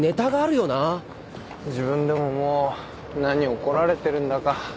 自分でももう何怒られてるんだか。